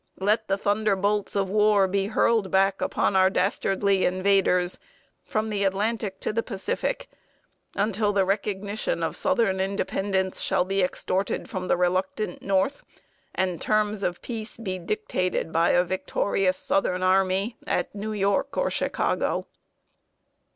Let the thunder bolts of war be hurled back upon our dastardly invaders, from the Atlantic to the Pacific, until the recognition of southern independence shall be extorted from the reluctant North, and terms of peace be dictated by a victorious southern army at New York or Chicago."